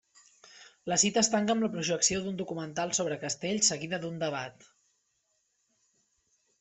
La cita es tanca amb la projecció d'un documental sobre castells seguida d'un debat.